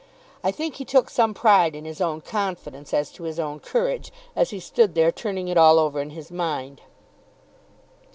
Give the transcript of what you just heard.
I think he took some pride in his own confidence as to his own courage, as he stood there turning it all over in his mind.